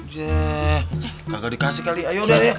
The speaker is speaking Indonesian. jeh kagak dikasih kali ayo udah ya